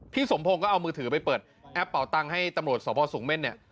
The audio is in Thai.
สมพงศ์ก็เอามือถือไปเปิดแอปเป่าตังค์ให้ตำรวจสพสูงเม่นเนี่ย